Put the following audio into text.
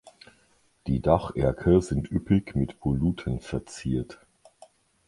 Die Dacherker sind üppig mit Voluten verziert.